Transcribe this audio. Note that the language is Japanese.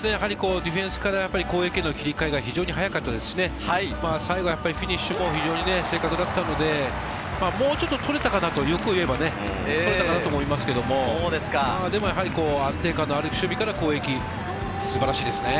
ディフェンスから攻撃への切り替えが早かったですし、フィニッシュも正確だったので、もうちょっと取れたかなと、欲を言えば取れたかなと思いますけれども、安定感のある守備から攻撃、素晴らしいですね。